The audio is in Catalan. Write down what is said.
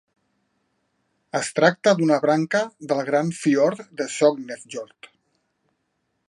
Es tracta d'una branca del gran fiord de Sognefjord.